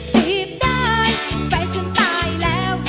จีบได้แฟนฉันตายแล้ว